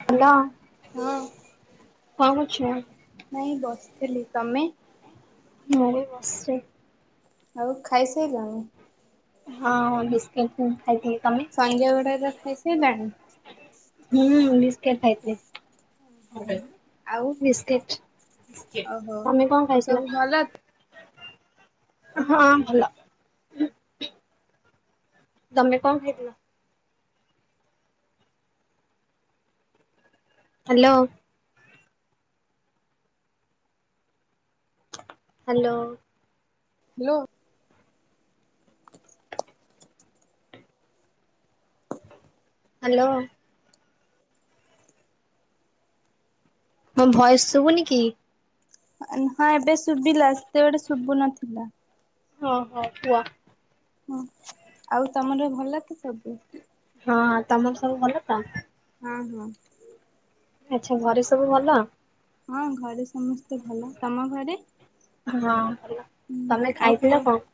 Hello ହଁ କଣ କରୁଛ? ନାଇଁ ବସିଥିଲି ତମେ? ମୁଁ ବି ବସିଛି। ଆଉ ଖାଇସାଇଲଣି? ହଁ ହଁ ବିସ୍କିଟ ଖାଇଥିଲି। ତମେ? ସନ୍ଧ୍ୟା ବେଳର ଖାଇସାରିଲାଣି ହୁଁ ବିସ୍କିଟ ଖାଇତେ। ଆଉ [unintelligible] ବିସ୍କିଟ ବିସ୍କିଟ ଓହୋ। ତମେ କଣ ଆଉ ସବୁ ଖାଇଥିଲ? ଭଲ ହଁ ଭଲ। ତମେ କଣ ଖାଇଥିଲ? ହାଲୋ। ହାଲୋ। ହାଲୋ। ହାଲୋ। ହଁ ଭୟସ ସୁବୁନି କି? ହଁ ଏବେ ଶୁବିଲା ସେତେବେଡେ ଶୁବୁ ନଥିଲା। ହଁ ହଁ କୁଅ। ହଁ ଆଉ ତମର ଭଲ କି ସବୁ? ହଁ ତମର ସବୁ ଭଲ ତ। ହଁ ହଁ। ଆଚ୍ଛା ଘରେ ସବୁ ଭଲ? ହଁ ଘରେ ସମସ୍ତେ ଭଲ। ତମ ଘରେ? ହଁ ଭଲ ତମେ ହୁଁ ଆଉ କୁହ ଖାଇଥିଲ କଣ?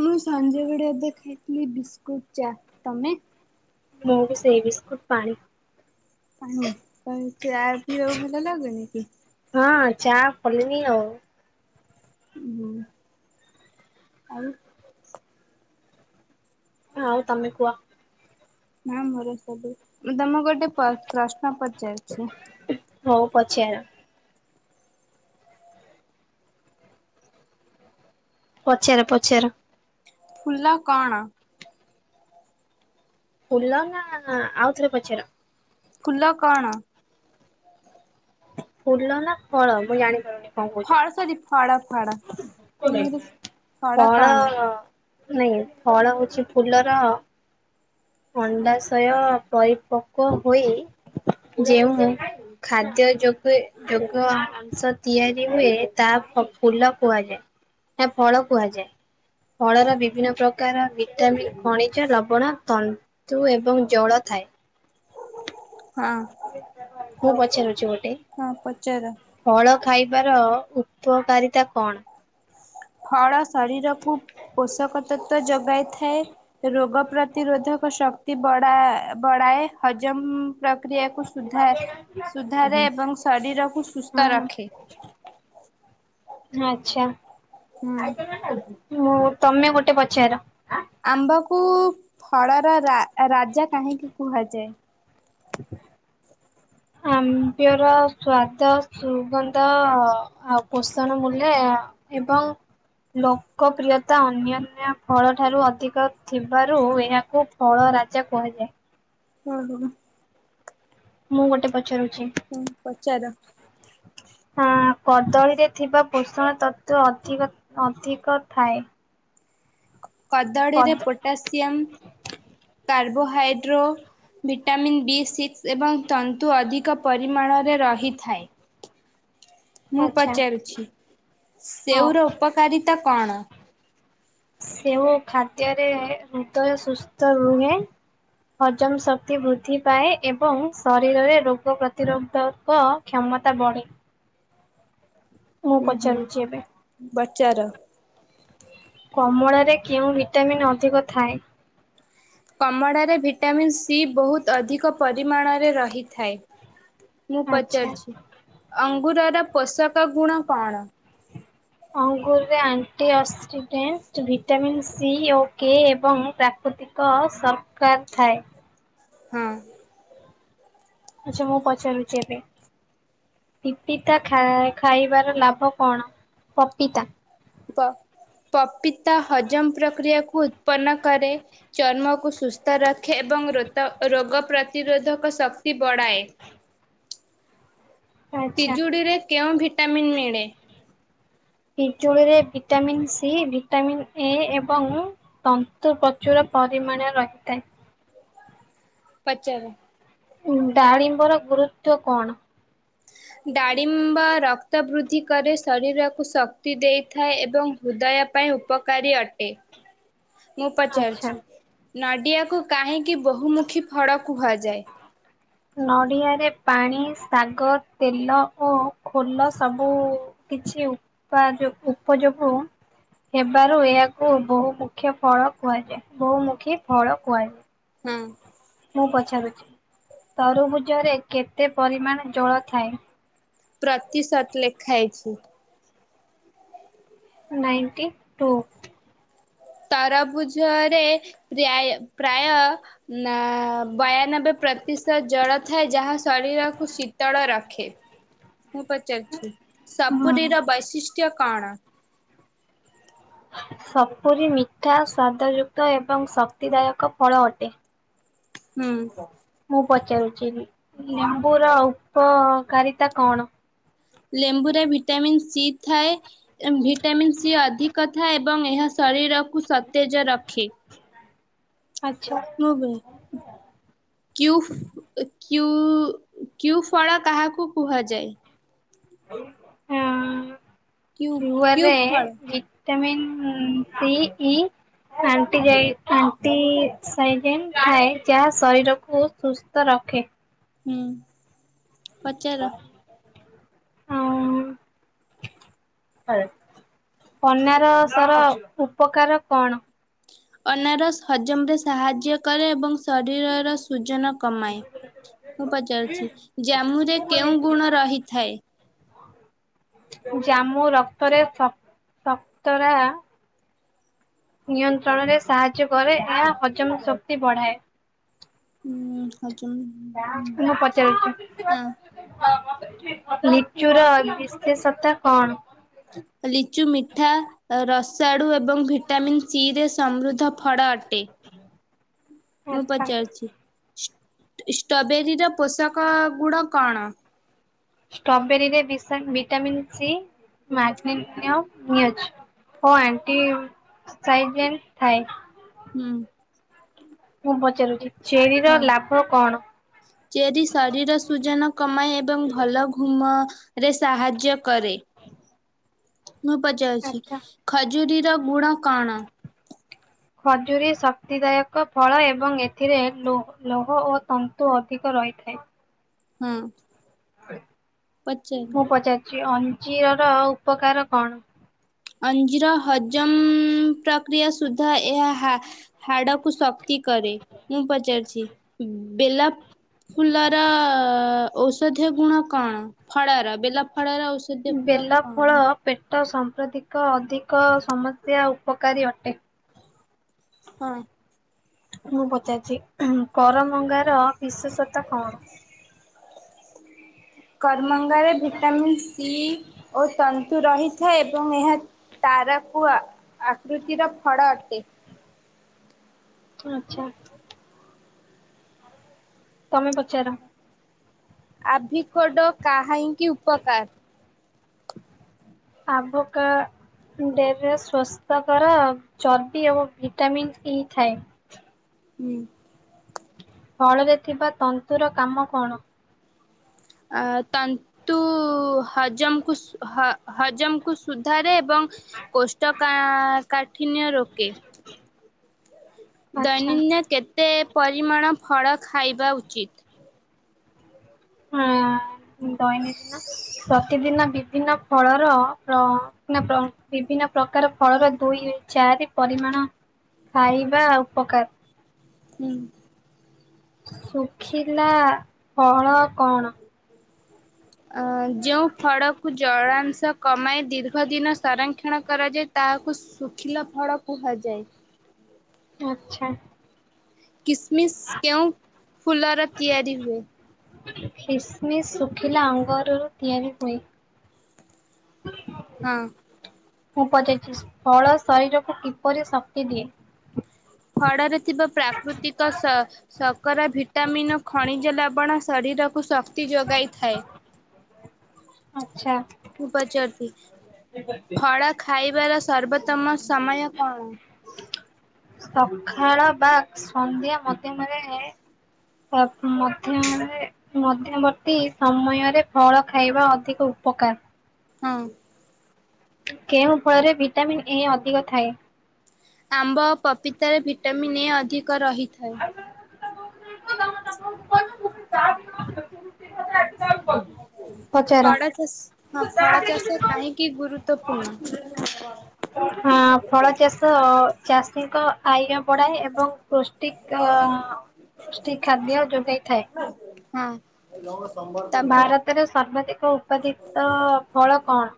ମୁଁ ସଞ୍ଜବେଳେ ଏବେ ଖାଇଥିଲି ବିସ୍କୁଟ୍ ଚା ତମେ? ମୁଁ ବି ସେଇ ବିସ୍କୁଟ ପାଣି। ପାଣି କଣ ଚା ପିଇବାକୁ ଭଲ ଲାଗୁନି କି? ହଁ ଚା ଫଲନି ଆଉ। ହୁଁ ଆଉ। ଆଉ ତମେ କୁଅ। ନାଁ ମୋର ସବୁ ମୁଁ ତମକୁ ଗୋଟେ ପ ପ୍ରଶ୍ନ ପଚାରୁଛି। ହଉ ପଚାର। ପଚାର ପଚାର। ଫୁଲ କଣ? ଫୁଲ ନା ଆଉଥରେ ପଚାର। ଫୁଲ କଣ? ଫୁଲ ନା ଫଳ ମୁଁ ଜାଣିପାରୁନି। କଣ କହୁଛ? ଫଳ ସରି ଫଳ ଫଡ [unintelligible] ଫଡ ଫଳ କଣ? ନାଇଁ ଫଳ ହଉଛି ଫୁଲର ଅଣ୍ଡାଶୟ ପରିପକ୍ୱ ହୋଇ ଯେଉଁ ଖାଦ୍ୟ ଯୋଗେ ଯୋଗ ଅଂଶ ତିଆରି ହୁଏ ତା ଫ ଫୁଲ କୁହାଯାଏ ନା ଫଳ କୁହାଯାଏ। ଫଳର ବିଭିନ୍ନ ପ୍ରକାର ଭିଟାମନ୍, ଖଣିଜ ଲବଣ, ତନ ତୁ ଏବଂ ଜଳ ଥାଏ। ହଁ। ମୁଁ ପଚାରୁଚି ଗୋଟେ। ହଁ ପଚାର ଫଳ ଖାଇବାର ଉପକାରିତା କଣ? ଫଳ ଶରୀରକୁ ପୋଷକତତ୍ଵ ଯୋଗାଇଥାଏ। ରୋଗ ପ୍ରତିରୋଧକ ଶକ୍ତି ବଡା ବଡାଏ ହଜମ ପ୍ରକ୍ରିୟାକୁ ସୁଧା ସୁଧାରେ ଏବଂ ଶରୀରକୁ ସୁସ୍ଥ ରଖେ। ଆଛା ହୁଁ ମୁଁ ତମେ ଗୋଟେ ପଚାର। ଆମ୍ବକୁ ଫଳର ରା ରାଜା କାହିଁକି କୁହାଯାଏ? ଆମ୍ୱେର ସ୍ୱାଦ ସୁଗନ୍ଧ ଆଉ ପୋଷଣ ମୂଲ୍ୟ ଅ ଏବଂ ଲୋକପ୍ରିୟତା ଅନ୍ୟାନ୍ୟ ଫଳ ଠାରୁ ଅଧିକ ଥିବାରୁ ଏହାକୁ ଫଳ ରାଜା କୁହାଯାଏ। ହୁଁ ମୁଁ ଗୋଟେ ପଚାରୁଚି। ହୁଁ ପଚାର। ହଁ କଦଳୀରେ ଥିବା ପୋଷଣ ତତ୍ଵ ଅଧିକ ଅଧିକ ଥାଏ। କଦଳୀରେ କଦ potassium carbohydrate vitamin B six ଏବଂ ତନ୍ତୁ ଅଧିକ ପରିମାଣରେ ରହିଥାଏ। ମୁଁ ଆଚ୍ଛା ପଚାରୁଛି ହଁ ସେଉର ଉପକାରିତା କଣ? ସେଓ ଖାଦ୍ୟରେ ହୃଦୟ ସୁସ୍ଥ ରୁହେ। ହଜମ ଶକ୍ତି ବୃଦ୍ଧି ପାଏ ଏବଂ ଶରୀରରେ ରୋଗ ପ୍ରତିରୋଧକ କ୍ଷମତା ବଢେ। ଉଁ ହୁଁ ପଚାରୁଛି ଏବେ ବଚାର। କମଳାରେ କେଉଁ ଭିଟାମିନ୍ ଅଧିକ ଥାଏ? କମଳାରେ ଭିଟାମିନ୍ ସି ବହୁତ୍ ଅଧିକ ପରିମାଣରେ ରହିଥାଏ। ମୁଁ ଆଚ୍ଛା। ପଚାରୁଛି, ଅଙ୍ଗୁରର ପୋଷକ ଗୁଣ କଣ? ଅଙ୍ଗୁରରେ ଆଣ୍ଟି ଅକ୍ସିଡେଣ୍ଟ, ଭିଟାମିନ୍ ସି ଓ କେ ଏବଂ ପ୍ରାକୃତିକ୍ କ ସରକା ଥାଏ। ହୁଁ। ଆଚ୍ଛା ମୁଁ ପଚାରୁଛି ଏବେ। ପିପିତା ଖା ଖାଇବାର ଲାଭ କଣ ପପିତା? ପ ପପିତା ହଜମ ପ୍ରକ୍ରିୟାକୁ ଉତ୍ପନ୍ନ କରେ। ଚର୍ମକୁ ସୁସ୍ଥ ରଖେ ଏବଂ ରୋତ ରୋଗ ପ୍ରତିରୋଧକ ଶକ୍ତି ବଢ଼ାଏ। ଆଚ୍ଛା। ପିଜୁଡ଼ିରେ କେଉଁ ଭିଟାମିନ୍ ମିଳେ? ପିଜୁଳିରେ ଭିଟାମିନ୍ ସି, ଭିଟାମିନ୍ ଏ ଏବଂ ତନ୍ତୁ ପ୍ରଚୁର ପରିମାଣ ରହିଥାଏ। ପଚାର। ଡାଳିମ୍ବର ଗୁରୁତ୍ୱ କଣ? ଡାଳିମ୍ବ ରକ୍ତ ବୃଦ୍ଧି କରେ ଶରୀରକୁ ଶକ୍ତି ଦେଇଥାଏ ଏବଂ ହୃଦୟ ପାଇଁ ଉପକାରୀ ଅଟେ। ହ ମୁଁ ପଚାରୁଛି, ନଡିଆକୁ କାହିଁକି ବହୁମୁଖୀ ଫଳ କୁହାଯାଏ? ହ ନଡ଼ିଆରେ ପାଣି, ଶାଗ, ତେଲ ଓ ଖୋଲ ସବୁ କିଛି ଉପାଯୋ ଉପଯୋଗୁ ହେବାରୁ ଏହାକୁ ବହୁମୁଖ୍ୟ ଫଳ କୁହାଯାଏ ବହୁମୁଖୀ ଫଳ କୁହାଯାଏ। ହୁଁ। ମୁଁ ପଚାରୁଛି, ତରୁଭୁଜରେ କେତେ ପରିମାଣ ଜଳ ଥାଏ? ପ୍ରତିଶତ୍ ଲେଖା ହେଇଛି। Ninety two. ତରଭୁଜରେ ପ୍ରାୟ ପ୍ରାୟ ନା ବୟାନବେ ପ୍ରତିଶତ ଜଳ ଥାଏ ଯାହା ଶରୀରକୁ ଶୀତଳ ରଖେ। ମୁଁ ପଚାରୁଛି, ହୁଁ। ସପୁରୀର ବୈଶିଷ୍ଟ୍ୟ କଣ? ସପୁରୀ ମିଠା, ସ୍ୱାଦଯୁକ୍ତ, ଏବଂ ଶକ୍ତିଦାୟକ ଫଳ ଅଟେ। ହୁଁ। ମୁଁ ପଚାରୁଛି, ଲେମ୍ବୁୁର ଉପକାରିତା କଣ? ଲେମ୍ବୁରେ ଭିଟାମିନ୍ ସି ଥାଏ ଭିଟାମିନ୍ ସି ଅଧିକ ଥାଏ। ଏବଂ ଏହା ଶରୀରକୁ ସତେଜ ରଖେ। ଆଚ୍ଛା। ହଁ ବେ ହୁଁ। କ୍ୟୁଫ୍ କ୍ୟୁ ଫଳ କାହାକୁ କୁହାଯାଏ? ଉଁ -ଉଁ-ଉଁ କ୍ୟୁ କ୍ୟୁ କ୍ୟୁଆରେ ଫଳ ଭି ଭିଟାମିନ୍ ସି, ଇ ଆଣ୍ଟିାଜାଇ ଆଣ୍ଟି-ଇସାଇଡେଣ୍ଟ୍ ଥାଏ ଯାହା ଶରୀରକୁ ସୁସ୍ଥ ରଖେ। ହୁଁ। ପଚାର। ଆଉ ପନାର ସର ଉପକାର କଣ? ଅନାରସ ହଜମରେ ସାହାଯ୍ୟ କରେ ଏବଂ ଶରୀରର ସୁଜନ କମାଏ ମୁଁ ପଚାରୁଛି ଜାମୁରେ କେଉଁ ଗୁଣ ରହିଥାଏ। ଜାମୁ ରକ୍ତରେ ସ ସତରା ନିୟନ୍ତ୍ରଣରେ ସାହାଯ୍ୟ କରେ ଏହା ହଜମ ଶକ୍ତି ବଢାଏ। ହୁଁ। ହଜମ ମୁଁ ପଚାରୁଚି ହଁ ଲିଚୁର ବିଶେଷତା କମ। ଲିଚୁ ମିଠା ଅ ରସାଡୁ ଏବଂ ଭିଟାମିନ୍ ସିରେ ସମୃଦ୍ଧ ଫଡ ଅଟେ ମୁଁ ଆଚ୍ଛା। ପଚାରୁଚି ଷ୍ ଇଷ୍ଟବେରୀର ପୋଷକ ଗୁଡ଼ କଣ? ଷ୍ଟବେରୀରେ ବିଶାନ୍ ଭିଟାମିନ ସି ମାଗ୍ନେନିୟମ୍ ବି ଅଛି। ଓ ଆଣ୍ଟି ସାଇଟଜେନ୍ ଥାଏ। ହୁଁ। ମୁଁ ପଚାରୁଚି ଚେରିର ହଁ ଲାଭ କଣ? ଚେରି ଶରୀର ସୁଜନ କମାଏ ଏବଂ ଭଲ ଘୁମ ରେ ସାହାଯ୍ୟ କରେ। ମୁଁ ପଚାରୁଚି ଆଚ୍ଛା। ଖଜୁରୀର ଗୁଣ କଣ? ଖଜୁରୀ ଶକ୍ତିଦାୟକ ଫଳ ଏବଂ ଏଥିରେ ଏସ ଲୋ ଲୋହ ଓ ତନ୍ତୁ ଅଧିକ ରହିଥାଏ। ହୁଁ। ମୁଁ ପଚାରୁଚି ଅଞ୍ଜିଅର ଉପକାର କଣ? ଅଞ୍ଜିର ହଜମ ପ୍ରକ୍ରିୟା ସୁଦ୍ଧା ଏହା ହା ହାଡକୁ ଶକ୍ତି କରେ ମୁଁ ପଚାରୁଚି ବେଲପ୍ ଫୁଲର ଔଷଧୀୟ ଗୁଣ କଣ ଫଳର ବେଲ ଫଳର ଔଷ୍ ବେଲଫଳ ପେଟ ସଂପ୍ରତିକ ଅଧିକ ସମସ୍ୟା ଉପକାରୀ ଅଟେ। ହଁ। ମୁଁ ପଚାରିଚି କରମଙ୍ଗାର ବିଶେଷତା କଣ? କରମଙ୍ଗାରେ ଭିଟାମିନ୍ ସି ଓ ତନ୍ତୁ ରହିଥାଏ ଏବଂ ଏହା ତାରାକୁ ଆ ଆକୃତିର ଫଡା ଅଟେ। ଆଚ୍ଛା। ତମେ ପଚାର? ଆଭିକୋଡ଼ କାହିଁକି ଉପକାର? ଆଭୋକା ଡରେ ସ୍ୱାସ୍ଥ୍ୟକର ଚର୍ବି ଓ ଭିଟାମିନ୍ ଇ ଥାଏ। ହୁଁ। ଫଳରେ ଥିବା ତନ୍ତୁର କାମ କଣ? ଆ ତନ୍ ତୁ ହଜମକୁ ସ୍ ହ ହଜମକୁ ସୁଧାରେ ଏବଂ କୋଷ୍ଠକା କାଠିିନ୍ୟ ରୋକେ। ଆଚ୍ଛା ଦୈନନ୍ଦିନ କେତେ ପରିମାଣ ଫଳ ଖାଇବା ଉଚିତ୍? ହଁ ଦୈନଦିନ ପ୍ରତିଦିନ ବିଭିନ୍ନ ଫଳର ପ୍ର ନାଁ ପ୍ର ବିଭିନ୍ନ ପ୍ରକାର ଫଳର ଦୁଇ ଚାରି ପରିମାଣ ଖାଇବା ଉପକାର। ହୁଁ। ଶୁଖିଲା ଫଳ କଣ? ଆ ଯେଉଁ ଫଳକୁ ଜଳାଂଶ କମାଇ ଦୀର୍ଘଦିନ ସଂରକ୍ଷଣ କରାଯାଏ ତାହାକୁ ଶୁଖିଲା ଫଳ କୁହାଯାଏ। ଆଚ୍ଛା। କିସମିସ୍ କେଉଁ ଫୁଲର ତିଆରି ହୁଏ? କିସମିସ୍ ଶୁଖିଲା ଅଙ୍ଗରରୁ ତିଆରି ହୁଏ। ହଁ। ମୁଁ ପଚାରିଚି ଫଳ ଶରୀରକୁ କିପରି ଶକ୍ତି ଦିଏ? ଫଡରେ ଥିବା ପ୍ରାକୃତିକ ଶ ସକରା ଭିଟାମିନ ଓ ଖଣିଜ ଲବଣ ଶରୀରକୁ ଶ ଯୋଗାଇଥାଏ। ଆଚ୍ଛା ମୁଁ ପଚାରୁଚି ଫଳ ଖାଇବାର ସର୍ବୋତ୍ତମ ସମୟ କଣ? ସଖାଳ ବା ସନ୍ଧ୍ୟା ମଧ୍ୟମରେ ଏଏ ମଧ୍ୟମରେ ମଧ୍ୟବର୍ତ୍ତୀ ସମୟରେ ଫଳ ଖାଇବା ଅଧିକ ଉପକାର। ହଁ। କେଉଁ ଫଳରେ ଭିଟାମିିନ ଏ ଅଧିକ ଥାଏ। ଆମ୍ବ ପପିତାରେ ଭିଟାମିନ୍ ଏ ଅଧିକ ରହିଥାଏ। [inaudible] ପଚାର ଫଳ ଚାଷ। ହଁ ଫଳ ଚାଷ କାହିଁକି ଗୁରୁତ୍ୱପୂର୍ଣ୍ଣ? ହଁ ଫଳ ଚାଷ ଚାଷୀଙ୍କ ଆୟ ବଢ଼ାଏ ଏବଂ ପୁଷ୍ଟି ପୁଷ୍ଟି ଖାଦ୍ୟ ଯୋଗାଇଥାଏ। ହଁ। ମୋର ସମ୍ବର ଭାରତରେ ସର୍ବାଧିକ ଉତ୍ପାଦିତ ଫଳ କଣ?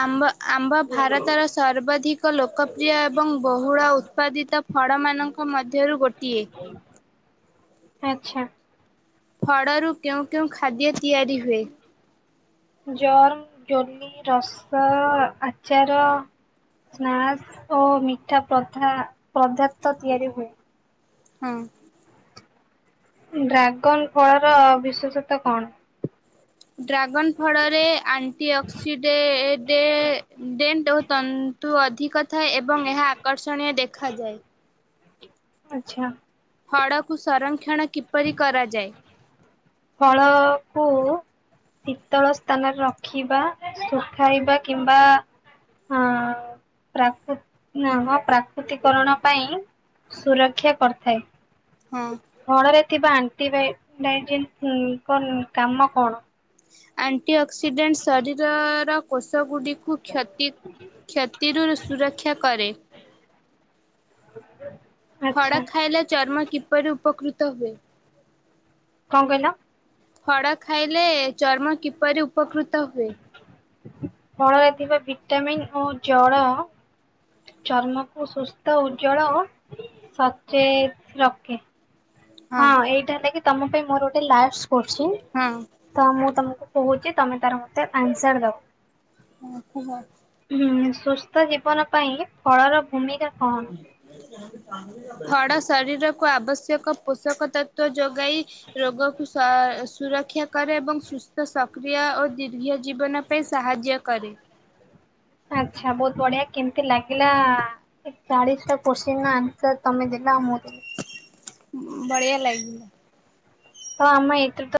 ଆମ୍ବ ଆମ୍ବ ଭାରତର ସର୍ବାଧିକ ଲୋକପ୍ରିୟ ଏବଂ ବହୁଳ ଉତ୍ପାଦିତ ଫଡ଼ ମାନଙ୍କ ମଧ୍ୟରୁ ଗୋଟିଏ। ଆଚ୍ଛା। ଫଡ଼ରୁ କେଉଁ କେଉଁ ଖାଦ୍ୟ ତିଆରି ହୁଏ? ଜମ୍, ଜଲି, ରସ, ଆଚାର ସ୍ନାକସ ଓ ମିଠା ପଦାର୍ଥ ତିଆରି ହୁଏ। ହଁ। ଡ୍ରାଗନ ଫଳର ବିଶେଷତା କଣ? ଡ୍ରାଗନ୍ ଫଳରେ ଆଣ୍ଟି ଅକ୍ସିଡେ ଡେ ଡେଣ୍ଟ ଓ ତ ଋତୁ ଅଧିକ ଥାଏ ଏବଂ ଏହା ଆକର୍ଷଣୀୟ ଦେଖାଯାଏ। ଆଚ୍ଛା। ଫଡ଼କୁ ସଂରକ୍ଷଣ କିପରି କରାଯାଏ? ଫଳକୁ ଶୀତଳ ସ୍ଥାନରେ ରଖିବା ଶୁଖାଇବା କିମ୍ବା ହଁ ପ୍ରାକ ହଁ ପ୍ରାକୃତିକରଣ ପାଇଁ ସୁରକ୍ଷା କରିଥାଏ। ହଁ। ଫଳରେ ଥିବା ଆଣ୍ଟିବା ଡାଇଜିନଙ୍କ କାମ କଣ? ଆଣ୍ଟି ଅକ୍ସିଡେଣ୍ଟ୍ ଶରୀରର କୋଷ ଗୁଡ଼ି କୁ କ୍ଷତି କ୍ଷତିରୁ ସୁରକ୍ଷା କରେ। [inaudible] ଖଡ଼ା ଖାଇଲା ଚର୍ମ କିପରି ଉପକୃତ ହୁଏ? କଣ କହିଲ? ଖଡ଼ା ଖାଇଲେ ଚର୍ମ କିପରି ଉପକୃତ ହୁଏ? ଫଳରେ ଥିବା ଭିଟାମିନ୍ ଓ ଜଳ ଚର୍ମକୁ ସୁସ୍ଥ ଉଜ୍ଜ୍ୱଳ ଓ ସଚେତ ରଖେ। ହଁ ଏଇଟା ହେଲାକି ତମ ପାଇଁ ମୋର ଗୋଟେ ଲାଷ୍ଟ କ୍ୱେଷ୍ଟନ। ତ ମୁଁ ତମକୁ କହୁଛି ତମେ ତାର ମତେ ଆନ୍ସର ଦବ। [unintelligible] ହୁଁ ସୁସ୍ଥ ଜୀବନ ପାଇଁ ଫଳର ଭୂମିକା କଣ? ଫଡ ଶରୀରକୁ ଆବଶ୍ୟକ ପୋଷକ ତତ୍ଵ ଯୋଗାଇ ରୋଗକୁ ସୁରକ୍ଷା କରେ ଏବଂ ସୁସ୍ଥ ସକ୍ରିୟ ଓ ଦୀର୍ଘ ଜୀବନ ପାଇଁ ସାହାଯ୍ୟ କରେ। ଆଚ୍ଛା ବହୁତ ବଢିଆ କେମିତି ଲାଗିଲା? ଚାଳିଶଟା କୋଶ୍ଚିନର ଆନ୍ସର ତମେ ଦେଲ ଆଉ ମୁଁ ଦେଲି। ବଢିଆ ଲାଗ ତ ଆମ ଏଇଥିରୁ ତ